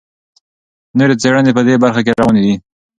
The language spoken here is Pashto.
نورې څېړنې په دې برخه کې روانې دي.